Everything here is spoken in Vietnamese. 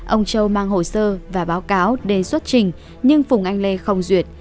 ông châu mang hồ sơ và báo cáo đề xuất trình nhưng phùng anh lê không duyệt